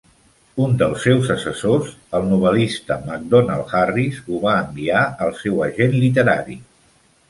Un dels seus assessors, el novel·lista MacDonald Harris, ho va enviar al seu agent literari.